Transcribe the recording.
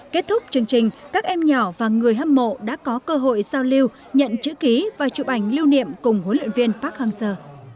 kết thúc chương trình các em nhỏ và người hâm mộ đã có cơ hội giao lưu nhận chữ ký và chụp ảnh lưu niệm cùng huấn luyện viên park hang seo